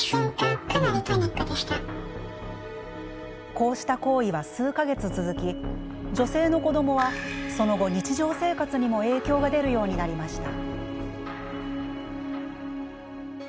こうした行為は数か月続き女性の子どもはその後、日常生活にも影響が出るようになりました。